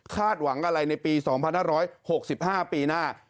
หวังอะไรในปี๒๕๖๕ปีหน้า